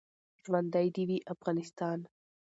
ژوندۍ د وی افغانستان